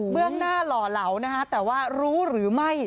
เรื่องหน้าหล่อเหลานะคะแต่ว่ารู้หรือไม่